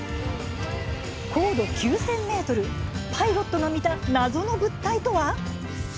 高度９０００ｍパイロットが見た謎の物体とは？